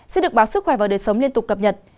sẽ được báo sức khỏe và đời sống liên tục cập nhật